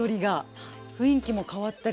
雰囲気も変わったりして。